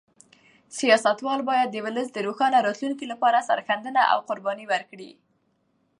سیاستوال باید د ولس د روښانه راتلونکي لپاره سرښندنه او قرباني ورکړي.